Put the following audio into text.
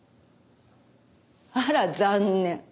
あら残念。